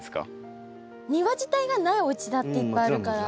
庭自体がないおうちだっていっぱいあるから。